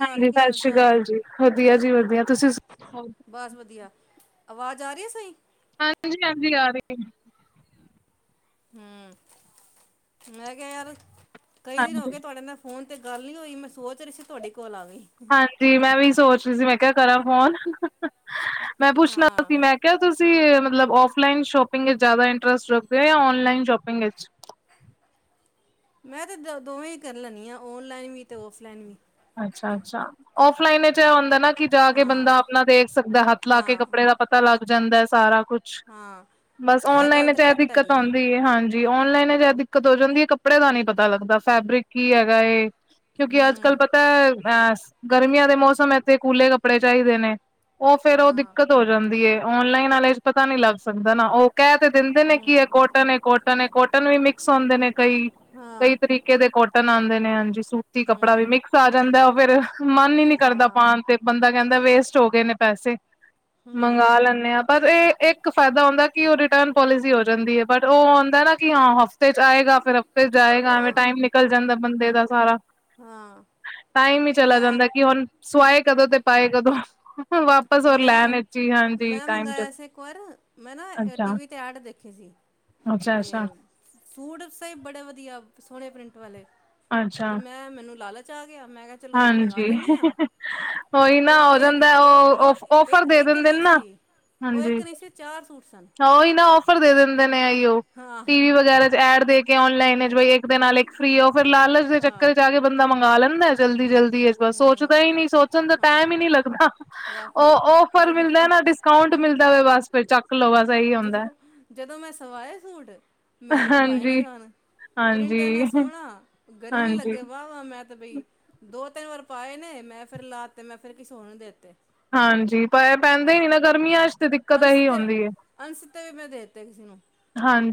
ਹਾਲ ਹਾਂਜੀ ਕੀ ਸਤਿ ਹਾਲ ਸ੍ਰੀ ਚਾਲ ਅਕਾਲ ਜੀ, ਵਧੀਆ ਜੀ ਵਧੀਆ, ਤੁਸੀਂ ਸੁਣਾਓ? ਬਸ ਵਧੀਆ, ਆਵਾਜ਼ ਆ ਰਹੀ ਹੈ ਸਹੀ? ਹਾਂਜੀ-ਹਾਂਜੀ ਆ ਰਈ ਐ ਹੂੰ, ਮੈਂ ਕਿਆ ਯਾਰ ਕਈ ਦਿਨ ਹੋ ਹਾਂਜੀ। ਗਏ ਤੁਆਡੇ ਨਾ ਫੋਨ ਤੇ ਗੱਲ ਨੀ ਹੋਈ ਮੈਂ ਸੋਚ ਰਈ ਸੀ ਤੁਆਡੀ ਕੋਲ ਆਵੇ ਹਾਂਜੀ ਮੈਂ ਵੀ ਸੋਚ ਰਈ ਸੀ ਮੈਂ ਕਿਆ ਕਰਾਂ ਫੋਨ, ਮੈਂ ਪੁੱਛਣਾ ਹਾਂ ਸੀ ਮੈਂ ਕਿਆ ਤੁਸੀਂ ਮਤਲਬ ਓਲਾਈਨ ਸ਼ੋਪਿੰਗ ਵਿਚ ਜਾਦਾ ਇੰਟਰਸਟ ਰੱਖਦੇ ਓ ਜਾਂ ਓਨਲਾਈਨ ਸ਼ੋਪਿੰਗ ਵਿਚ ਮੈਂ ਤੇ ਦੋ ਦੋਵੇਂ ਈ ਕਰ ਲੈਨੀ ਆਂ ਓਨਲਾਈਨ ਵੀ ਤੇ ਓਫਲਾਈਨ ਵੀ ਅੱਛਾ-ਅੱਛਾ। ਓਫਲਾਈਨ ਚ ਐ ਹੁੰਦਾ ਨਾ ਕਿ ਜਾ ਕੇ ਹਾਂ ਬੰਦਾ ਆਪਣਾ ਦੇਖ ਸਕਦਾ ਹੱਥ ਲਾ ਕੇ ਹਾਂ ਕੱਪੜੇ ਦਾ ਪਤਾ ਪਤਾ ਲੱਗ ਜਾਂਦਾ ਐ ਸਾਰਾ ਕੁਛ, ਹਾਂ ਬਸ ਇਹ ਗੱਲ ਓਨਲਾਈਨ ਤੇ ਚ ਫੈਕਟ ਦਿੱਕਤ ਹੈਗੀ ਹੈ ਔਂਦੀ ਐ ਹਾਂਜੀ ਓਨਲਾਈਨ ਚ ਐ ਦਿੱਕਤ ਹੋ ਜਾਂਦੀ ਐ ਕੱਪੜੇ ਦਾ ਨੀ ਪਤਾ ਲੱਗਦਾ ਫੈਬਰਿਕ ਕੀ ਹੈਗਾ ਏ ਕਿਓਕੇ ਅੱਜ ਹੂੰ ਬਸ ਗਰਮੀਆਂ ਦੇ ਮੌਸਮ ਏਥੇ ਕੂਲੇ ਕੱਪੜੇ ਚਾਈਦੇ ਨੇ ਓ ਫੇਰ ਓ ਹਾਂ ਦਿੱਕਤ ਹੋ ਰੈਂਦੀ ਏ ਔਨਲਾਈਨ ਆਲੇ ਪਤਾ ਨੀ ਲੱਫਜ ਸਕਦਾ ਨਾ ਓ ਕੈ ਤੇ ਦਿੰਦੇ ਨੇ ਕੀ ਏ ਕੋਟਨ ਏ ਕੋਟਨ ਏ, ਕੋਟਨ ਵੀ ਮਿਕਸ ਹੁੰਦੇ ਨੇ ਕਈ ਹਾਂ ਕੇ ਦੇ ਕੋਟਨ ਆਦੇ ਨੇ ਹਾਂਜੀ ਸੂਤੀ ਕੱਪੜਾ ਵੀ ਹੂੰ ਮਿਕਸ ਆ ਜਾਂਦਾ ਓ ਫੇਰ ਮਨ ਈ ਨੀ ਕਰਦਾ ਹਾਂ ਪਾਣ ਤੇ ਬੰਦਾ ਕੈਂਦਾ ਵੇਸਟ ਹੋ ਗਏ ਨੇ ਪੈਸੇ, ਹੂੰ ਮੰਗਾ ਲੈਂਨੇ ਆ ਪਰ ਏ ਇੱਕ ਫਾਇਦਾ ਹੁੰਦਾ ਕਿ ਓ ਰਿਟਰਨ ਪੋਲਸੀ ਹੋ ਜਾਂਦੀ ਐ ਬਟ ਓ ਔਂਦਾ ਐ ਨਾ ਕਿ ਹਾਂ ਹਫ ਫੇਰ ਆਏਗਾ ਫੇਰ ਜਾਏਗਾ ਐਵੇਂ ਹਾਂ ਟੈਮ ਨਿਕਲ ਜਾਂਦਾ ਬੰਦੇ ਦਾ ਸਾਰਾ ਹਾਂ ਟੈਮ ਈ ਚਲਾ ਮੈਂ ਜਾਂਦਾ ਕਿ ਹੁਣ, ਸਵਾਏ ਕਦੋਂ ਤੇ ਪਾਏ ਕਦੋਂ ਵਾਪਸ ਹੁਣ ਹੋਰ ਲੈਣ ਵਿੱਚ ਹੀ ਹਾਂਜੀ ਮੈਂ-ਮੈਂ ਟਾਈਮ ਚ ਮੰਗਾਏਆ ਸੀ ਨਾ ਇੱਕ ਵਾਰ, ਮੈਂ ਨਾ ਟੀ ਵੀ ਤੇ ਐਡ ਦੇਖੀ ਸੀ। ਤੇ ਅੱਛਾ-ਅੱਛਾ। ਸੂਟ ਸਈ ਬੜੇ ਵਦੀਆ, ਸੋਣੇ ਪ੍ਰਿੰਟ ਵਾਲੇ ਤੇ ਅੱਛਾ ਮੈਂ-ਮੈਨੂੰ ਲਾ-ਲਾ ਗਿਆ ਮੈਂ ਕਿਆ ਚਲੋ ਮੰਗਾ ਹਾਂਜੀ ਲੈਂਨੀ ਆਂ, ਉਹੀ ਤੇ ਨਾ ਹੋ ਏ ਜਾਂਦਾ ਓ-ਓ, ਉਹ ਔਫਰ ਦੇ ਇੱਕ-ਇੱਕ, ਦਿੰਦੇ ਨੇ ਨਈਂ ਨਾ ਸੀ, ਇੱਕ ਨਈਂ ਸੀ ਚਾਰ ਸੂਟ ਸਨ। ਤਾਂ ਓਈ ਨਾ ਔਫਰ ਦੇ ਦਿੰਦੇ ਨੇ ਐਈਓ, ਹਾਂ ਟੀ ਵੀ ਵਗੈਰਾ ਚ ਐਡ ਦੇ ਕੇ ਔਨਲਾਈਨ ਬ ਇੱਕ ਦੇ ਨਾਲ ਇੱਕ ਫ੍ਰਰੀ ਫੇਰ ਲਾਲਚ ਦੇ ਹਾਂ ਚੱਕਰ ਚ ਆ ਕੇ ਬੰਦਾ ਮੰਗਾ ਲੈਂਦਾ ਜਲਦੀ-ਜਲਦੀ ਬਸ ਸੋਚਦਾ ਹੂੰ ਈ ਨੀ ਸੋਚਣ ਦਾ ਟੈਮ ਈ ਹਾਂ ਨਈ ਲੱਗਦਾ, ਓ ਵਾਕਈ ਔਫਰ ਮਿਲਦਾ ਜਦੋਂ ਨਾ ਡਿਸ ਡਿਸਕਾਊਂਟ ਮਿਲਦਾ ਹੋਵੇ ਬਸ ਫਿਰ ਚੱਕ ਲੋ ਬਸ ਇਹੀ ਹੁੰਦਾ ਜਦੋਂ-ਜਦੋਂ ਮੈਂ ਸਵਾਏ ਸੂਟ ਮੇਰੇ ਤੋਂ ਤਾਂ ਪਾਏ ਨਾ ਹਾਂਜੀ ਜਾਣ ਪ੍ਰਿੰਟ ਹਾਂਜੀ ਏਨਾ ਸੋਣਾ ਗਰਮੀ ਹਾਂਜੀ ਲੱਗੇ ਵਾ ਵਾ ਮੈਂ ਤੇ ਬਈ ਦੋ ਤਿੰਨ ਵਾਰ ਪਾਏ ਨੇ ਮੈਂ ਫਿਰ ਲਾਤੇ ਮੈਂ ਫੇਰ ਕਿਸੇ ਹੋਰ ਨੂੰ ਦੇਤੇ ਹਾਂਜੀ ਪ ਪੈਂਦੇ ਈ ਨਈ ਨਾ ਗਰਮੀਆਂ ਚ ਤੇ ਦਿੱਕਤ ਇਹੀ ਹੁੰਦੀ ਹੈ ਅਣਸਿੱਤੇ-ਅਣਸਿੱਤੇ ਵੀ ਮੈਂ ਦੇ ਦੇਤੇ ਕਿਸੀ ਨੂੰ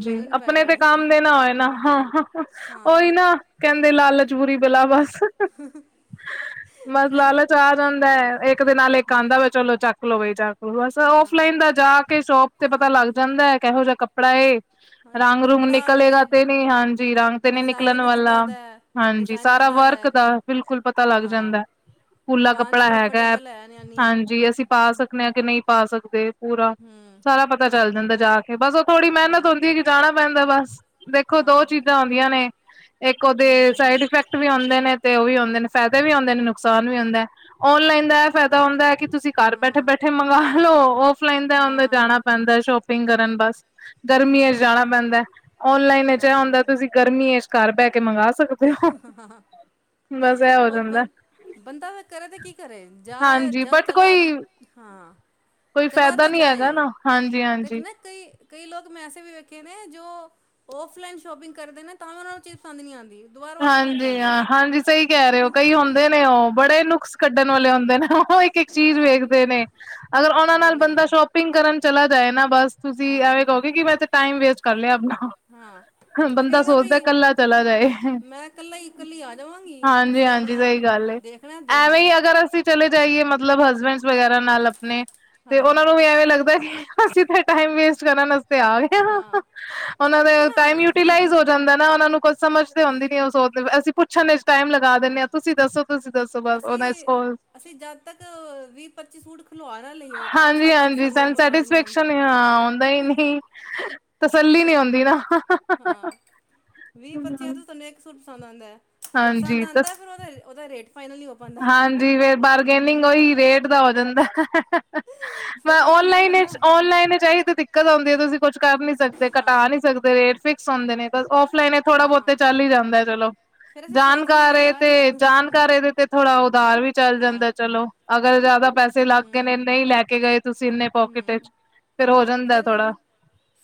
ਮੇਰੇ ਤੋਂ ਨਹੀਂ ਪਾਏ ਆਪਣੇ ਤੇ ਜਾਣੇ ਕੰਮ ਦੇ ਨਾ ਹੋਏ ਨਾ ਹਾਂ ਓਈ ਨਾ ਕੈਂਦੇ ਲਾਲਚ ਬੁਰੀ ਬਲਾ ਬਸ, ਬਸ ਫਿਰ ਲਾਲਚ ਆ ਜਾਂਦਾ ਇੱਕ ਦੇ ਨਾਲ ਇੱਕ ਆਂਦਾ ਹੂੰ ਵਾ ਚਲੋ ਚੱਕ ਲੋ ਬਈ ਚੱਕ ਲੋ ਬਸ ਹਾਂ ਔਫਲਾਈਨ ਦਾ ਜਾ ਕੇ ਸ਼ੋਪ ਤੇ ਪਤਾ ਹਾਂ ਲੱਗ ਜਾਂਦਾ ਐ ਕਿਹੋ ਜਾ ਕੱਪੜਾ ਏ ਹਾਂ, ਰੰਗ-ਰੂੰਗ ਕਪੜਾ ਨਿਕਲੇਗਾ ਵੇ ਤੇ ਨਈ ਹਾਂਜੀ ਰੰਗ ਤੇ ਨੀ ਨਿਕਲਣ ਡਿਜ਼ਾਈਨ ਵਾਲਾ ਕਿੱਦਾਂ ਦਾ ਹੈ ਹਾਂਜੀ ਡਿਜ਼ਾਈਨ ਸਾਰਾ ਕਿੱਦਾਂ ਵਰਕ ਹੈ ਦਾ ਬਿਲਕੁਲ ਪਤਾ ਲੱਗ ਹਾਂ ਜਾਂਦਾ ਖੁੱਲਾ ਪਾਂਚ ਕੱਪੜਾ ਹੈਗਾ ਐ ਕੰਫਰਟੇਬਲ ਹੈ ਯਾਨੀ ਹਾਂਜੀ ਅਸੀਂ ਪਾ ਸਕਨੇ ਆਂ ਕਿ ਨਈਂ ਪਾ ਸਕਦੇ ਪੂਰਾ ਹੂੰ ਸਾਰਾ, ਪਤਾ ਚੱਲ ਜਾਂਦਾ ਜਾ ਕੇ ਬਸ ਓ ਥੋੜੀ ਮੇਨਤ ਹਾਂ ਹੁੰਦੀ ਜਾਣਾ ਪੈਂਦਾ ਬਸ, ਦੇਖੋ ਦੋ ਹਾਂ ਚੀਜ਼ਾਂ ਹੁੰਦੀਆਂ ਨੇ ਇੱਕ ਓਦੇ ਹੂੰ ਸਾਈਡ ਇਫੈਕਟ ਵੀ ਹੁੰਦੇ ਨੇ। ਤੇ ਓ ਵੀ ਹੁੰਦੇ ਨੇ ਫੈਦੇ ਵੀ ਹੁੰਦੇ ਨੇ ਨੁਕਸਾਨ ਵੀ ਹੁੰਦਾ ਐ ਔਨਲਾਈਨ ਦਾ ਏ ਫਾਇਦਾ ਹੁੰਦਾ ਐ ਕਿ ਤੁਸੀਂ ਘਰ ਬੈਠੇ ਹਾਂ -ਬੈਠੇ ਮੰਗਵਾ ਲਓ, ਔਫਲਾਈਨ ਤੇ ਆ ਹਾਂ ਜਾਣਾ ਪੈਂਦਾ ਸ਼ੋਪਿੰਗ ਕਰਨ ਬਸ ਗਰਮੀਆਂ ਚ ਹੂੰ ਜਾਣਾ ਪੈਂਦਾ, ਔਨਲਾਈਨ ਜਿ ਹੁੰਦਾ ਹਾਂ ਤੁਸੀਂ ਗਰਮੀਆਂ ਚ ਘਰ ਬਹਿ ਕੇ ਮੰਗਵਾ ਸਕਦੇ ਹੋ [unintelligible] ਬਸ ਐ ਹੋ ਹੋਰ ਜਾਂਦਾ। ਬੰ ਬੰਦਾ ਫੇਰ ਕਰੇ ਤੇ ਕੀ ਕਰੇ ਜਾ ਹਾਂਜੀ ਜਾ ਬਟ ਚਲਾ ਕੋਈ ਹਾਂ ਕੋਈ ਚਲੋ ਆਹ ਫਾਇਦਾ ਤੇ ਨੀ ਜਾਏ ਹੈਗਾ ਨਾ ਹਾਂਜੀ ਤੇ ਹਾਂਜੀ ਨਾ ਕਈ- ਕਈ ਲੋਕ ਮੈਂ ਐਸੇ ਵੀ ਵੇਖੇ ਨੇ ਜੋ ਓਫਲਾਈਨ ਸ਼ੋਪਿੰਗ ਕਰਦੇ ਨੇ ਤਾਂ ਵੀ ਉਹਨਾ ਨੂੰ ਚੀਜ਼ ਪਸੰਦ ਨਹੀਂ ਆਂਦੀ। ਹਾਂਜੀ ਹਾਂ, ਹਾਂਜੀ ਸਹੀ ਕਹਿ ਰਹੇ ਹੋ, ਕਈ ਹੁੰਦੇ ਨੇ ਉਹ ਬੜੇ ਨੁਕਸ ਕੱਢਣ ਵਾਲੇ ਹੁੰਦੇ ਨੇ ਉਹ। ਉਹ ਇੱਕ -ਇੱਕ ਚੀਜ਼ ਹਾਂ ਵੇਖਦੇ ਨੇ, ਅਗਰ ਉਹਨਾਂ ਬਈ ਨਾਲ ਬੰਦਾ ਨਹੀਂ ਸ਼ੋਪਿੰਗ ਕਰਨ ਚਲਾ ਜਾਏ ਨਾ ਬਸ ਤੁਸੀਂ ਹਾਂ ਐਵੇਂ ਕਹੋਗੇ, ਕਿ ਮੈਂ ਤੇ ਟਾਈਮ ਵੇਸਟ ਕਰ ਲਿਆ ਆਪਣਾ। ਹਾਂ ਤੇ ਬੰਦਾ ਕਹੇਗਾ ਸੋਚਦਾ ਬਈ ਕੱਲਾ ਚਲਾ ਜਾਏ। ਮੈਂ ਕੱਲਾ ਈ ਹਾਂਜੀ -ਹਾਂਜੀ ਸਹੀ ਗੱਲ ਏ, ਦੇਖਣਾ ਦੇਖ ਐਵੇਂ ਲਓ ਹੀ ਅਗਰ ਅਸੀਂ ਚਲੇ ਜਾਈਏ, ਮਤਲਬ ਹਸਬੈਂਡ ਵਗੈਰਾ ਨਾਲ ਆਪਣੇ ਤੇ ਹਾਂ ਉਹਨਾਂ ਨੂੰ ਵੀ ਐਵੇਂ ਲੱਗਦਾ ਕਿ ਅਸੀਂ ਤੇ ਟਾਈਮ ਵੇਸਟ ਕਰਨ ਵਾਸਤੇ ਆ ਗਏ। ਹਾਂ ਉਹਨਾਂ ਦੇ ਕਿਉਂਕਿ ਟਾਈਮ ਯੂਟੀਲਾਈਜ਼ ਨਾ ਹੋ ਜਾਂਦਾ ਨਾ, ਉਹ ਨੂੰ ਕੁਛ ਸਮਝ ਤੇ ਆਉਂਦੀ ਨੀ ਉਹ ਅਸੀਂ ਪੁੱਛਣ ਚ ਟਾਈਮ ਲਗਾ ਦਿੰਦੇ ਹਾਂ ਆਂ, ਤੁਸੀਂ ਦੱਸੋ -ਤੁਸੀਂ ਦੱਸੋ ਬਸ ਉਹਨਾ ਅਸੀਂ ਅਸੀਂ ਜਦ ਤੱਕ ਵੀਹ ਪੱਚੀ ਸੂਟ ਖ਼ੁਲਵਾ ਹਾਂਜੀ -ਹਾਂਜੀ ਸਾਨੂੰ ਆਉਂਦਾ ਸੈਟਿਸਫੈਕਸ਼ਨ ਹਾਂ ਆਉਂਦਾ ਈ ਨਹੀਂ। ਤਸੱਲੀ ਨਹੀਂ ਹੁੰਦੀ ਨਾ। ਹਾਂ ਵੀਹ ਪੱਚੀਆਂ ਤੋਂ ਤਹਾਨੂੰ ਇੱਕ ਸੂਟ ਪਸੰਦ ਆਉਂਦਾ। ਜੇ ਪਸੰਦ ਹਾਂਜੀ, ਆਂਦਾ ਫਿਰਦਾ ਉਹਦਾ ਰੇਟ ਫਾਈਨਲ ਨਹੀਂ ਹੋ ਪਾਉਂਦਾ ਹਾਂਜੀ ਫੇ ਬਾਰਗੇਨਿੰਗ ਹੋਈ ਰੇਟ ਦਾ ਹੋ ਜਾਂਦਾ। ਮੈਂ ਫਿਰ ਕੀ ਹੁੰਦਾ ਔਨਲਾਈਨ ਬੰਦਾ ਵਿਚ ਔਨਲਾਈਨ ਵਿਚ ਅਇਓ ਤੇ ਦਿਕਤ ਤ ਆਉਂਦੀ ਹੈ, ਤੁਸੀਂ ਕੁੱਛ ਕਰ ਨੀ ਸਕਦੇ, ਹਾਂ ਘਟਾ ਨਹੀਂ ਸਕਦੇ, ਰੇਟ ਫਿਕਸ ਹੁੰਦੇ ਨੇ, ਬ ਔਫਲਾਈਨ ਥੋੜਾ ਬਹੁਤ ਹਾਂ ਚੱਲ ਹੀ ਜਾਂਦਾ ਹੈ ਚਲੋ। ਫਿਰ ਅਸੀਂ ਸੋਚਦੇ ਹਾਂ ਜਾਣਕਾਰੇ ਯਾਰ ਤੇ ਜਾਣਕਾਰੇ ਦੇ ਤੇ ਥੋੜਾ ਉਦਾਰ ਵੀ ਚੱਲ ਹਾਂ ਜਾਂਦਾ ਚਲੋ, ਅਗਰ ਜ਼ਿਆਦਾ ਪੈਸੇ ਲੱਗ ਗਏ ਨੇ, ਹਮ ਨਹੀਂ ਲੈ ਕੇ ਗਏ ਤੁਸੀਂ ਇੰਨੇ ਪੋਕਿਟ ਹਮ ਵਿਚ। ਫੇਰ ਹੋ ਜਾਂਦਾ ਥੋੜਾ।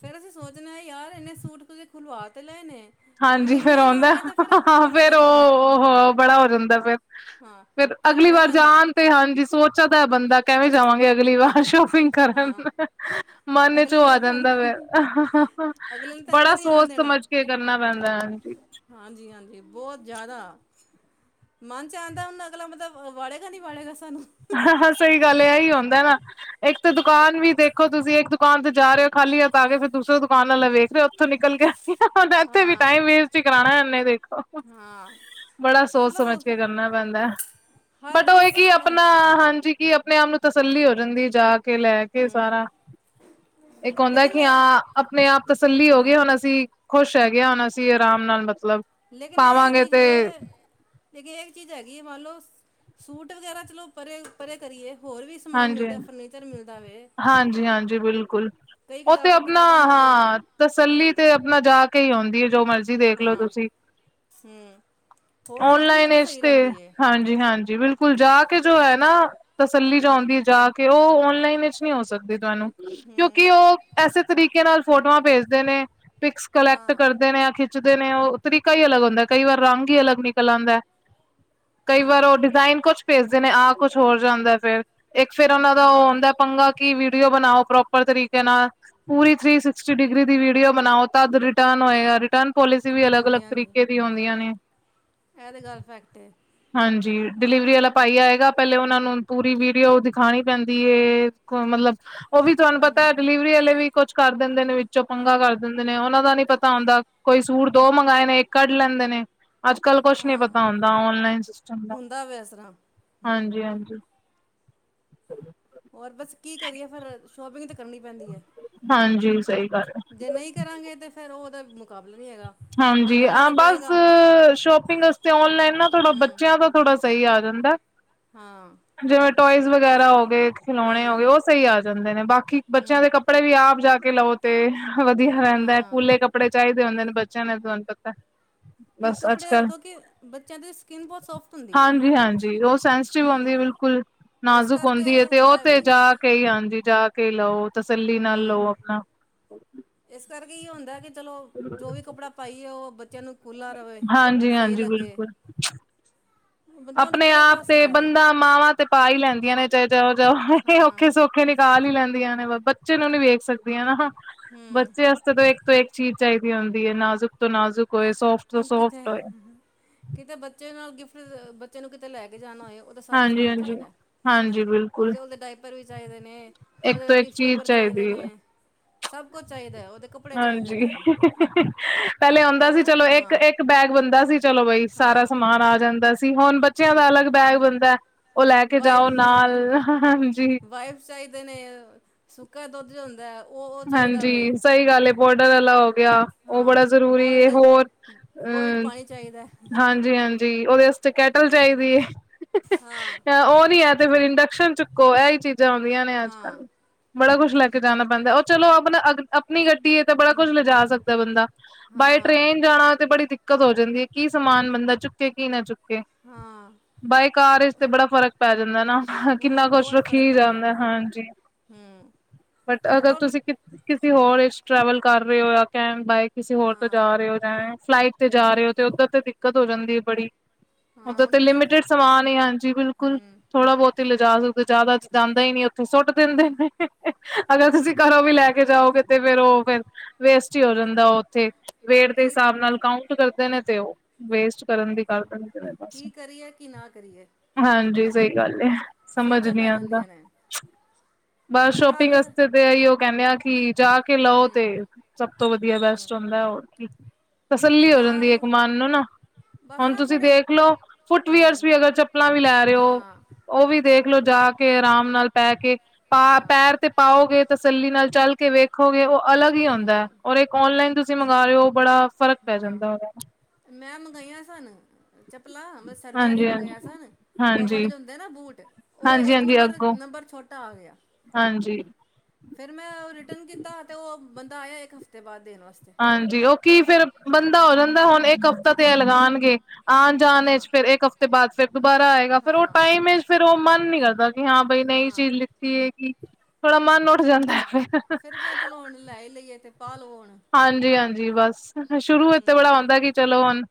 ਫੇਰ, ਅਸੀਂ ਸੋਚਣਾ ਯਾਰ ਇਨੇ ਸੂਟ ਤੁਸੀਂ ਖੁਲਵਾ ਤੇ ਲਏ ਨੇ। ਹੁਣ ਹਾਂਜੀ, ਜੇ ਫੇਰ ਨਹੀਂ ਆਉਂਦਾ ਲਾਂਗੇ ਤਾਂ ਫਿਰ ਹ ਉਹ ਫੇਰ ਗਲਤ ਹੋ ਜਾਏਗਾ ਉਹ-ਓਹ ਬੜਾ ਹੋ ਜਾਂਦਾ ਫੇਰ। ਹਾਂ ਫਿਰ ਅਗਲੀ ਲੈਣਾ ਵਾਰ ਪੈਂਦਾ ਜਾਣ ਤੇ ਹਾਂਜੀ ਸੋਚ ਸੋਚ ਦਾ ਬੰਦਾ ਕਿਵੇਂ ਜਾਵਾਂਗੇ ਅਗਲੀ ਵਾਰ ਸ਼ੋਪਿੰਗ ਕਰਨ, ਹਾਂ ਮਨ ਚ ਅਗਲੇ ਉਹ ਆ ਨੇ ਜਾਂਦਾ ਤੁਹਾਨੂੰ ਫੇਰ। ਅਗਲੇ ਨੇ ਤਾਂ ਅੰਦਰ ਬੜਾ ਨਹੀਂ ਆਉਣ ਸੋਚ ਦੇਣਾ ਸਮਝ ਕੇ ਕਰਨਾ ਪੈਂਦਾ ਹੈ। ਹਾਂਜੀ- ਹਾਂਜੀ ਬਹੁਤ ਜ਼ਿਆਦਾ। ਮਨ ਚ ਆਉਂਦਾ, ਉਹ ਅਗਲਾ ਬੰਦਾ ਵਾੜੇਗਾ ਨੀ ਵਾੜੇਗਾ ਸਾਨੂੰ। ਹਾਂ ਸਹੀ ਗੱਲ ਏ, ਆਹੀ ਆਉਂਦਾ ਨਾ। ਇੱਕ ਤਾਂ ਦੁਕਾਨ ਵੀ ਦੇਖੋ ਤੁਸੀਂ, ਇੱਕ ਦੁਕਾਨ ਤੇ ਜਾ ਰਹੇ ਹੋ, ਖਾਲੀ ਹੱਥ ਆ ਕੇ ਫਿਰ ਦੂਸਰੇ ਦੁਕਾਨ ਵਾਲਾ ਵੇਖ ਰਹੇ ਹੋ, ਉੱਥੋਂ ਨਿਕਲ ਕੇ ਤਾਂ ਇੱਥੇ ਵੀ ਹਾਂ ਟਾਈਮ ਵੇਸਟ ਹੀ ਕਰਾਉਣਾ ਇਨੇ ਦੇਖੋ। ਹਾਂ ਬੜਾ ਸੋਚ ਚਲੋ ਸਮਝ ਕੇ ਕਰਨਾ ਪੈਂਦਾ, ਹਰ ਬਟ ਉਹ ਚੀਜ਼ ਇਹ ਕੀ ਬਸ ਅ, ਆਪਣਾ ਹਾਂ ਹਾਂਜੀ, ਕਿ ਆਪਣੇ ਆਪ ਨੂੰ ਤਸੱਲੀ ਹੋ ਜਾਂਦੀ, ਜਾ ਕੇ ਲੈ ਕੇ ਹੂੰ ਸਾਰਾ। ਇਹ ਹੁੰਦਾ ਲੇਕਿਨ ਕਿ ਹਾਂ ਆਪਣੇ ਆਪ ਤਸੱਲੀ ਹੋ ਗਏ ਹਾਂ ਹੁਣ ਅਸੀਂ ਖੁਸ਼ ਹੈਗੇਆ, ਹੁਣ ਅਸੀਂ ਆਰਾਮ ਨਾਲ ਮਤਲਬ ਲੇਕਿਨ ਇਹ ਪਾਵਾਂਗੇ ਚੀਜ਼ ਤੇ ਵੇ ਲੇਕਿਨ ਇਹ ਇੱਕ ਚੀਜ਼ ਹੈਗੀ ਹੈ ਮੰਨ ਲਓ ਸੂਟ ਵਗੈਰਾ ਚਲੋ ਪਰੇ-ਪਰੇ ਕਰੀਏ ਹੋਰ ਵੀ ਸਮਾਨ ਹਾਂਜੀ ਮਿਲਦਾ ਫਰਨੀਚਰ ਮਿਲਦਾ ਵੇ, ਹਾਂਜੀ ਹਾਂਜੀ ਬਿਲਕੁਲ ਕਈ ਉਹ ਤੇ ਆਪਣਾ ਕਿਤਾਬਾਂ-ਕਿਤਾਬਾਂ ਮਿਲਦੀਆਂ ਨੇ ਹਾਂ ਤਸੱਲੀ ਤੇ ਆਪਣਾ ਜਾ, ਕੇ ਹੀ ਆਉਂਦੀ ਏ, ਜੋ ਮਰਜ਼ੀ ਜੀ ਦੇਖਲੋ ਹਾਂ ਤੁਸੀਂ ਹੂੰ ਹੋਰ ਸ਼ੋਪਿੰਗ ਓਨਲਾਈਨ ਫਿਰ ਇਸ ਸਹੀ ਤੇ, ਰਹਿੰਦੀ ਹੈ ਹਾਂਜੀ ਜੀ ਹਾਂਜੀ ਬਿਲਕੁਲ ਜਾ ਕੇ, ਜੋ ਹੈ ਨਾ ਤਸੱਲੀ ਜੋ, ਹੂੰ ਆਉਂਦੀ ਹੈ ਜਾ ਕੇ ਉਹ ਓਨਲਾਈਨ ਵਿਚ। ਨਹੀਂ ਹੋ ਸਕਦੀ ਤੁਹਾਨੂੰ ਹੂੰ ਕਿਉਂਕਿ ਉਹ ਐੇ, ਤਰੀਕੇ ਨਾਲ ਫੋਟੋਆਂ ਭੇਜਦੇ ਨੇ, ਪਿਕਸ ਕਲੈਕਟ ਹਾਂ ਕਰਦੇ ਨੇ ਖਿੱਚਦੇ ਨੇ, ਉਹ ਤਰੀਕਾ ਹੀ ਅਲਗ ਹੁੰਦਾ। ਕਈ ਵਾਰ ਰੰਗ ਹੀ ਅਲਗ ਨਿਕਲ ਆਉਂਦਾ! ਕਈ ਵਾਰ ਹਾਂ ਉਹ ਡਿਜ਼ਾਇਨ ਕੁਛ ਭੇਜਦੇ ਨੇ, ਆਹ ਕੁਛ ਹੋਰ ਜਾਂਦਾ ਫਿਰ, ਇੱਕ ਫਿਰ ਉਹਨਾ ਦਾ ਉਹ ਹਾਂ ਹੁੰਦਾ। ਪੰਗਾ ਕਿ ਵੀਡੀਓ ਬਣਾਓ ਪ੍ਰੋਪਰ ਤਰੀਕੇ ਨਾਲ ਪੂਰੀ ਥ੍ਰਰੀ ਸਸਟੀ ਡਿਗਰੀ ਦੀ, ਵੀਡੀਓ ਬਣਾਓ ਤਦ ਰਿਟਰਨ ਹੋਏਗਾ ਰਿਟਰਨ ਪੋਲਿਸੀ ਵੀ ਅਲੱਗ-ਅਲੱਗ ਹਾਂਜੀ ਹਾਂਜੀ ਤਰੀਕੇ ਦੀ ਆਉਂਦੀਆਂ ਨੇ, ਇਹ ਤੇ, ਗੱਲ ਫੈਕਟ ਏ, ਹਾਂਜੀ ਡਿਲੀਵਰੀ ਵਾਲਾ ਭਾਈ ਆਏਗਾ। ਪਹਿਲੇ ਉਹਨਾਂ ਨੂੰ ਪੂਰੀ ਵੀਡੀਓ ਦਿਖਾਉਣੀ ਪੈਂਦੀ ਕੋ ਮਤਲਬ ਉਹ ਵੀ ਤੁਹਾਨੂੰ ਪਤਾ ਹੈ। ਹੂੰ ਡਿਲੀਵਰੀ ਵਾਲੇ ਵੀ ਕੁਛ ਕਰ ਦਿੰਦੇ ਨੇ, ਵਿੱਚੋਂ ਪੰਗਾ ਕਰ ਦਿੰਦੇ! ਨੇ ਉਹਨਾਂ ਦਾ ਨੀ ਪਤਾ ਪਤਾ ਹੁੰਦਾ ਕੋਈ ਸੂਟ ਦੋ, ਮੰਗਵਾਏ ਨੇ, ਇੱਕ ਕੱਢ ਲੈਂਦੇ ਨੇ ਅੱਜ-ਕੱਲ ਕੁਛ ਨੀ ਹਾਂ ਪਤਾ ਹੁੰਦਾ ਔਨਲਾਈਨ ਹੁੰਦਾ ਵੇ ਇਸ ਤਰ੍ਹਾਂ ਹਾਂਜੀ-ਹਾਂਜੀ ਹੋਰ ਬਸ ਕੀ ਕਰੀਏ, ਫਿਰ ਸ਼ੋਪਿੰਗ ਤਾਂ ਕਰਨੀ ਪੈਂਦੀ ਹੈ। ਹਾਂਜੀ ਸਹੀ ਗੱਲ ਹੈ ਜੇ ਨਹੀਂ ਕਰਾਂਗੇ ਤਾਂ, ਫਿਰ ਉਹਦਾ ਮੁਕਾਬਲਾ ਨਹੀਂ ਹੈਗਾ। ਹਾਂਜੀ ਜਾਣਾ ਤਾਂ ਬਸ ਪਏਗਾ ਸ਼ੋਪਿੰਗ ਵਾਸਤੇ ਓਲਾਈਨ ਨਾ ਤੁਹਡਾ ਬੱਚਿਆਂ ਦਾ ਥੋੜ੍ਹਾ ਸਹੀ ਆ ਜਾਂਦਾ। ਹਾਂ ਜਿਵੇਂ ਟੋਇਜ਼ ਵਗੈਰਾ ਹੋ ਗਏ। ਖਿਲੋਣੇ ਹੋ ਹੂੰ, ਗਏ ਉਹ ਸਹੀ ਆ ਜਾਂਦੇ ਨੇ ਬਾਕੀ ਬੱਚਿਆਂ ਦੇ ਹੂੰ, ਕੱਪੜੇ, ਕੱਪੜੇ ਵੀ ਆਪ ਜਾ, ਕੇ ਲਓ ਤੇ ਵਧੀਆ ਰਹਿੰਦਾ। ਹਾਂ। ਕੂਲੇ ਕੱਪੜੇ ਚਾਹੀਦੇ ਹੁੰਦੇ ਨੇ ਬੱਚ ਤੁਹਾਨੂੰ ਕਿਵੇਂ ਪਤਾ ਕਿ ਬਸ ਕੱਪੜੇ ਅੱਜ-ਕਲ ਕਿਉਂਕਿ ਬੱਚਿਆਂ ਦੀ ਸਕਿੰਨ ਬਹੁਤ ਸੋਫਟ ਹੁੰਦੀ ਹੈ। ਹਾਂਜੀ-ਹਾਂਜੀ ਉਹ ਸੈਂ ਆਉਦੀ ਬਿਲਕੁਲ ਇਸ ਨਾਜ਼ੁਕ ਕਰਕੇ ਹੁੰਦੀ ਹੈ ਤੇ ਉਹ ਹੁੰਦਾ ਤੇ ਬਈ ਜਾ, ਕੇ ਕਈ ਜਾ ਕੇ ਲਓ ਤਸੱਲੀ ਨਾਲ ਹੂੰ। ਲਓ ਆਪਣਾ ਇਸ ਕਰਕੇ ਇਹ ਹੁੰਦਾ ਹੈ। ਕਿ ਚਲੋ ਜੋ, ਵੀ ਕੱਪੜਾ ਪਾਈਏ ਉਹ ਬੱਚਿਆਂ ਨੂੰ ਖੁੱਲਾ ਰਵੇ ਸਹੀ ਹਾਂਜੀ-ਹਾਂਜੀ ਲੱਗੇ ਬਿਲਕੁਲ ਬੰਦਾ ਹੁਣ ਆਪਣੇ ਕਿਹੜੇ ਆਪ ਤੇ, ਪਾਸੇ ਜਾਏ ਬੰਦਾ ਮਾਵਾਂ ਤੇ ਪਾ, ਹੀ ਲੈਂਦੀਆਂ ਨੇ ਚਾਹੇ ਜਾਓ, ਜਾਓ ਇਹ ਹਾਂ ਔਖੇ-ਸੌਖੇ ਪੱਖੇ ਨਿਕਾਲ ਹੀ ਲੈਂਦੀਆਂ ਨੇ, ਬੱਚੇ ਨੂੰ ਨੀ ਵੇਖ ਸਕਦੀਆਂ। ਹੂੰ ਬੱਚੇ ਇੱਕ ਤੋਂ ਇੱਕ ਚੀਜ਼ ਚਾਹੀਦੀ ਹੁੰਦੀ ਹੈ। ਨਾਜ਼ੁਕ ਤੋਂ ਨਾਜ਼ੁਕ ਹੋਏ ਸੋਫਟ ਤੋਂ ਹੁਣ ਸੋਫਟ ਕਿਥੇ ਹੋਏ ਕਿਤੇ ਬੱਚੇ ਨਾਲ ਗਿਫਟ ਬੱਚੇ ਨੂੰ ਕਿਤੇ ਲੈ, ਕੇ ਜਾਣਾ ਹੋਏ ਉਹ ਤਾਂ ਸਾਰਾ ਹਾਂਜੀ ਸਮਾਨ ਹਾਂਜੀ ਚਾਹੀਦਾ। ਹਾਂਜੀ ਬਿਲਕੁਲ ਉਹਦੇ-ਉਹਦੇ ਡਾਇਪਰ ਵੀ, ਚਾਹੀਦੇ ਨੇ ਇੱਕ ਉਹਦੇ ਤੋਂ ਇੱਕ ਟਿਸ਼ੂ ਚੀਜ਼ ਪੇਪਰ ਚਾਹੀਦੇ ਚਾਹੀਦੀ ਹੈ ਨੇ ਸਭ ਕੁਛ ਚਾਹੀਦਾ। ਉਹਦੇ ਕੱਪੜੇ ਚਾਹੀਦੇ ਹਾਂਜੀ ਨੇ ਪਹਿਲੇ ਆਉਂਦਾ ਹੋਰ ਸੀ ਚਲੋ ਹਾਂ ਇੱਕ ਇੱਕ ਬੈਗ ਬੰਦਾ ਸੀ ਚਲੋ, ਬਾਈ ਸਾਰਾ ਹਾਂ ਸਮਾਨ ਆ ਜਾਂਦਾ ਸੀ। ਹੁਣ ਬੱਚਿਆਂ ਦਾ ਅਲੱਗ ਬੈਗ ਬੰ ਉਹ ਲੈ, ਕੇ ਜਾਓ ਨਾਲ ਵਾਈਫ ਹਾਂਜੀ ਵਾਈਫ ਚਾਹੀਦੇ ਨੇ ਸੁੱਕਾ ਦੁੱਧ ਹੁੰਦਾ ਉਹ ਉਹ ਚਾਹੀਦਾ ਵੇ ਹਾਂਜੀ ਸਹੀ ਗੱਲ ਹੈ। ਬੋਡਰ ਵਾਲਾ ਹੋ ਗਿਆ ਉਹ ਹਾਂ ਬੜਾ ਜ਼ਰੂਰੀ ਬੋਇਡ ਹੋਰ ਬੋਇਡ ਅ ਪਾਣੀ ਚਾਹੀਦਾ ਹੈ। ਹਾਂਜੀ-ਹਾਂਜੀ ਉਹਦੇ ਕੈਟਲ ਚਾਹੀਦੀ ਹੈ ਹਾਂ ਉਹ ਨੀ ਹੈ, ਤੇ ਫੇਰ ਇੰਡਕਸ਼ਨ ਚੁੱਕੋ ਇਹੀ ਚੀਜ਼ ਜਾਉਂਦੀਆਂ ਨੇ ਹਾਂ ਅੱਜ-ਕੱਲ੍ਹ ਬੜਾ ਕੁੱਛ ਲੈ, ਕੇ ਜਾਣਾ ਪੈਂਦਾ ਚਲੋ ਆਪਣਾ ਅ ਆਪਣੀ ਗੱਡੀ ਐ ਤਾਂ ਬੜਾ ਕੁਛ ਲਿਜਾ ਸਕਦਾ ਬੰਦਾ ਬਾਏ ਹਾਂ ਟ੍ਰਰੇਨ ਜਾਣਾ ਤੇ ਬੜੀ ਦਿੱਕਤ ਹੋ ਜਾਂਦੀ ਐ ਕੀ ਸਮਾਨ ਬੰਦਾ ਚੁੱਕੇ ਕੀ ਨਾ ਚੁੱਕੇ। ਹਾਂ। ਬਾਈ ਕਾਰ ਵਿੱਚ ਤੇ ਬੜਾ ਫਰਕ ਪੈ ਜਾਂਦਾ ਨਾ ਬਹੁਤ ਕਿੰਨਾ ਕੁਛ ਬਹੁਤ ਫਰਕ ਰੱਖੀ ਪੈਂਦਾ ਜਾਂਦਾ ਹੈ। ਹਾਂਜੀ। ਹੂੰ, ਬਟ ਅਗਰ ਚਲੋ ਹੁਣ ਤੁਸੀਂ ਕਿਸੇ ਹੋਰ ਵਿੱਚ ਟ੍ਰੈਵਲ ਕਰ ਰੇ ਓ ਜਾਂ ਕੈਣ ਬਾਏ ਕਿਸੇ ਹੋਰ ਤੋਂ ਹਾਂ ਜਾ ਰੇ ਓ। ਫਲਾਈਟ ਤੇ ਜਾ ਰੇ ਓ ਉੱਧਰ ਤੇ ਦਿੱਕਤ ਹੋ ਜਾਂਦੀ ਐ ਬੜੀ। ਹਾਂ ਓਦੇ ਹੁਣ ਤੇ ਕੀ ਕ- ਲਿਮਟਿਡ ਸਮਾਨ ਈ ਹਾਂਜੀ ਬਿਲਕੁਲ ਹੂੰ ਥੋੜਾ ਬੋਤ ਈ ਲਿਜਾ ਜ਼ਿਆਦਾ ਜਾਂਦਾ ਈ ਨੀ ਉੱਥੇ ਸੁੱਟ ਦਿੰਦੇ ਨੇ ਅਗਰ ਹਾਂ ਤੁਸੀਂ ਘਰੋਂ ਵੀ ਲੈ ਕੇ ਜਾਓਗੇ ਤੇ। ਫੇਰ ਓ ਫਿਰ ਵੇਸਟ ਈ ਹੋ ਜਾਂਦਾ ਉੱਥੇ ਵੇਟ ਦੇ ਕੀ ਹਿਸਾਬ ਨਾਲ ਕਾ ਊਂਟ ਕਰਦੇ ਨੇ ਤੇ ਓ ਵੇਸਟ ਕਰਨ ਦੀ ਗੱਲ ਕਰਦੇ ਨੇ। ਬਸ ਕੀ ਕਰੀਏ ਕੀ ਨਾ ਕਰੀਏ। ਹਾਂਜੀ, ਸਹੀ ਗੱਲ ਐ ਸਮਝ ਸੋਚਾਂ ਨੀ ਪੈ ਆਂਦਾ। ਜਾਂਦੀਆਂ ਨੇ ਬੱਸ ਹੁਣ ਸ਼ੋਪਿੰਗ ਹਰ ਵਾਸਤੇ ਤੇ ਇਈਓ। ਕਹਿੰਦੇ ਆ ਕਿ ਜਾ ਕੇ ਲੋ ਤੇ ਹਮ ਸਭ ਤੋਂ ਵਧੀਆ ਬੈਸਟ ਹਮ ਹੁੰਦਾ ਹੋਰ ਕੀ। ਤਸੱਲੀ ਹੋ ਜਾਂਦੀ ਐ ਇੱਕ ਜਾਂ ਮਨ ਨੂੰ ਨਾ ਬਸ ਹੁਣ ਨਾ ਤੁਸੀਂ ਥੋੜ੍ਹੇ ਦੇਖ ਲੋ ਫੁੱਟਵੀਅਰਸ ਹਮ ਵੀ ਅਗਰ ਚੱਪਲਾਂ ਵੀ ਲੈ ਰੇ ਓ। ਹਾਂ ਓ ਵੀ ਦੇਖਲੋ ਜਾ ਕੇ ਆਰਾਮ ਨਾਲ ਪੈ ਕੇ ਪਾ ਹਾਂ ਪੈਰ ਤੇ ਪਾਓਗੇ ਤਾਂ ਤਸੱਲੀ ਨਾਲ ਚੱਲ ਕੇ ਵੇਖੋਗੇ ਉਹ ਅਲੱਗ ਹੀ ਹੁੰਦਾ ਹਮ ਔਰ ਇੱਕ ਔਨਲਾਈਨ ਤੁਸੀਂ ਮੰਗਾ ਰੇ ਓ ਬੜਾ ਫ਼ਰਕ ਪੈ ਹਾਂ, ਜਾਂਦਾ ਉਹਦਾ ਮੈਂ ਮੰਗਾਈਆਂ ਸਨ। ਚੱਪਲਾਂ ਮੈ ਸਰਦੀਆਂ ਦੀ ਹਾਂਜੀ ਹਾਂਜੀ ਮੰਗਾਈਆਂ ਸਨ। ਹਾਂਜੀ ਕਵਰਡ ਦੇ ਹੁੰਦੇ ਨਾ ਬੂਟ ਓ ਹਾਂਜੀ ਇੱਕ ਹਾਂਜੀ ਨੰਬਰ ਅੱਗੋਂ ਨੰਬਰ ਛੋਟਾ ਆ ਗਿਆ। ਹਾਂਜੀ। ਫਿਰ ਮੈਂ ਓ ਰਿਟਰਨ ਕੀਤਾ ਤੇ ਓ ਬੰਦਾ ਆਇਆ ਇੱਕ ਹਫ਼ਤੇ ਬਾਅਦ ਦੇਣ ਵਾਸਤੇ। ਹਾਂਜੀ, ਓ ਕੀ ਫੇਰ ਬੰਦਾ ਹੋ ਜਾਂਦਾ ਹੁਣ ਇੱਕ ਹਫ਼ਤਾ ਤੇ ਐ ਲਗਾਣਗੇ। ਆਣ ਜਾਣ ਵਿੱਚ ਹਾਂ ਫੇਰ ਇੱਕ ਹਫ਼ਤੇ ਬਾਅਦ ਫਿਰ ਦੁਬਾਰਾ ਆਏਗਾ ਫੇਰ ਉਹ ਹਾਂ ਟਾਈਮ ਵਿੱਚ ਫਿਰ ਓ ਮਨ ਨੀ ਕਰਦਾ। ਹਾਂ, ਬਈ ਨਈ ਹਾਂ ਚੀਜ਼ ਲਿੱਤੀ ਹੈਗੀ ਥੋੜਾ ਮਨ ਉੱਠ ਜਾਂਦਾ ਫੇਰ। ਫਿਰਦੇ ਆ ਚਲੋ ਹੁਨ ਲੈ ਈ ਲਈਏ ਤੇ ਪਾ ਲੋ ਹੁਨ। ਹਾਂਜੀ ਹਾਂਜੀ, ਬਸ ਸ਼ੁਰੂ ਹੋਏ ਤੇ ਹੂੰ ਬੜਾ ਹੁੰਦਾ ਕਿ ਚਲੋ ਹੁਨ।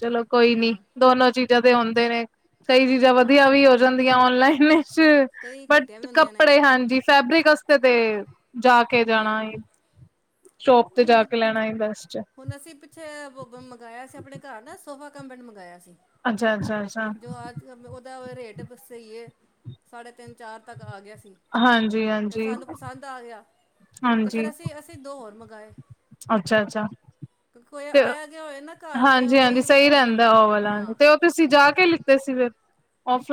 ਚਲੋ ਕੋਈ ਨੀ ਹੂੰ ਦੋਨੋ ਚੀਜ਼ਾਂ ਦੇ ਹੁੰਦੇ ਨੇ ਕਈ ਚੀਜ਼ਾਂ ਵਧੀਆ ਹਾਂ ਵੀ ਹੋ ਜਾਂਦੀਆਂ ਔਨਲਾਈਨ। ਕਈ ਘੱਟੀਆਂ ਵੀ ਬਟ ਹੁੰਦੀਆਂ ਨੇ ਕੱਪੜੇ ਹਾਂਜੀ ਫੈਬਰਿਕ ਵਸਤੇ ਤੇ ਜਾ ਕੇ ਜਾਣਾ। ਹੂੰ ਸ਼ੌਪ ਤੇ ਜਾ ਕੇ ਲੈਣਾ ਈ ਬੇਸਟ ਏ। ਹੁਣ ਅਸੀਂ ਛੇ ਵੋ ਬ ਮੰਗਾਇਆ ਸੀ ਅਪਣੇ ਘਰ ਨਾ, ਸੋਫਾ ਕਮ ਬੈਡ ਮੰਗਾਇਆ ਸੀ। ਅੱਛਾ, ਅੱਛਾ, ਅੱਛਾ। ਗਮ ਓਦਾ ਰੇਟ ਫਿਰ ਸਈ ਐ, ਸਾਢੇ ਤਿੰਨ-ਚਾਰ ਤੱਕ ਆ ਗਿਆ ਸੀ। ਹਾਂਜੀ ਫੇਰ ਹਾਂਜੀ ਸਾਨੂੰ ਪਸੰਦ ਆ ਗਿਆ, ਤੇ ਫੇਰ ਅਸੀਂ ਅਸੀਂ ਦੋ ਹੋਰ ਮੰਗਾਏ। ਅੱਛਾ, ਅੱਛਾ। ਫੇਰ ਆਇਆ ਗਿਆ ਹੋਏ ਨਾ ਘਰ ਤੇ ਹਾਂਜੀ, ਹਾਂਜੀ ਉਹੀ ਸਈ ਵਿਛਾ ਦੋ ਰੈਂਦੈ ਓ ਵਾਲਾ ਹਾਂ ਤੇ ਓ ਤੁਸੀਂ ਜਾ ਕੇ ਲਿੱਤੇ ਸੀ ਫੇਰ।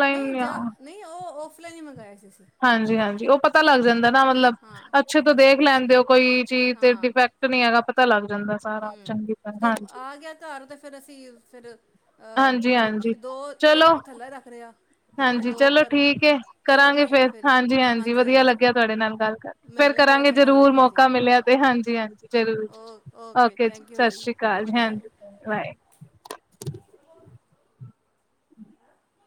ਨਈ ਜਾ ਨਈ ਓ ਔਫਲਾਈਨ ਈ ਮੰਗਾਏ ਸੀ ਅਸੀਂ। ਹਾਂਜੀ, ਹਾਂਜੀ ਓ ਪਤਾ ਲੱਗ ਜਾਂਦੈ ਨਾ ਮਤਲਬ, ਹਾਂ ਅੱਛੇ ਤੋਂ ਦੇਖ ਲੈਂਦੇ ਓ ਕੋਈ ਚੀਜ ਤੇ ਹਾਂ ਡਿਫੈਕਟ ਨੀ ਹੈਗਾ ਪਤਾ ਲੱਗ ਜਾਂਦਾ। ਸਾਰਾ ਹੂੰ, ਚੰਗੀ ਤਰ੍ਹਾਂ ਜਦ ਹਾਂਜੀ। ਆ ਗਿਆ ਘਰ ਤੇ ਫੇਰ ਅਸੀਂ ਫੇਰ ਅ ਹਾਂਜੀ-ਹਾਂਜੀ ਅ ਦੋ, ਇੱਕ ਚਲੋ ਥੱਲੇ ਰੱਖ ਰੇ ਆ। ਹਾਂਜੀ, ਚਲੋ ਠੀਕ ਐ, ਕਰਾਂਗੇ ਫੇਰ ਹਾਂਜੀ, ਹਾਂਜੀ ਵਦੀਆ ਲੱਗੇ ਆ ਤੁਹਾਡੇ ਨਾਲ ਗੱਲ ਕਰ ਫਿਰ ਮੈਨੂੰ ਵੀ ਬਹੁਤ ਕਰਾਂਗੇ ਚੰਗਾ ਜਰੂਰ ਲੱਗਿਆ ਜੀ ਮੌਕਾ ਮਿਲਿਆ ਤੇ ਹਾਂਜੀ, ਹਾਂਜੀ। ਜਰੂਰ ਜੀ ਓ ਓਕੇ ਜੀ, ਥੈਂਕ ਯੂ ਸਤਿ ਸ੍ਰੀ ਅਕਾਲ, ਬਾਏ ਹਾਂਜੀ, ਬਾਏ।